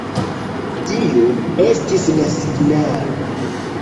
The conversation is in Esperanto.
Tio estis la signalo.